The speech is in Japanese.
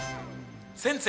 先生